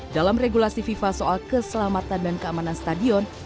dalam regulasi fifa soal keselamatan dan keamanan stadion